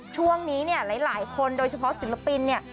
ช่วงนี้เนี่ยหลายคนโดยเฉพาะศิลปินเนี่ย